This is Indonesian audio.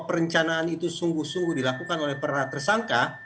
perencanaan itu sungguh sungguh dilakukan oleh para tersangka